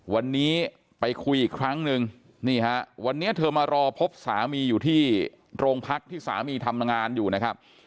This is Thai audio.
วันนี้ไปคุยอีกครั้งนึงนี่ฮะวันนี้เธอมารอพบสามีอยู่ที่โรงพักที่สามีทำงานอยู่นะครับ